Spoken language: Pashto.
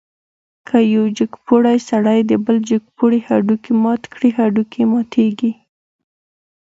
که یو جګپوړی سړی د بل جګپوړي هډوکی مات کړي، هډوکی یې ماتېږي.